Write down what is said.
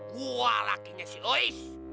gua lakinya si ois